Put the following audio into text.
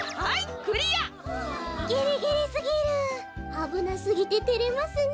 あぶなすぎててれますね。